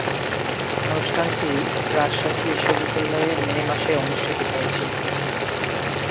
অনুষ্ঠানটি রাজশাহী বিশ্বনিদ্যালয়ে মে মাসে অনুষ্ঠিত হয়েছিলো।